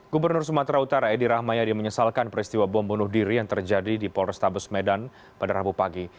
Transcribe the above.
gubernur sumatera utara edi rahmayadi menyesalkan peristiwa bom bunuh diri yang terjadi di polrestabes medan pada rabu pagi